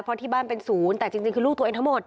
เพราะที่บ้านเป็นศูนย์แต่จริงคือลูกตัวเองทั้งหมด